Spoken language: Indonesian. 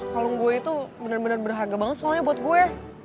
kalung gue itu bener bener berharga banget soalnya buat gue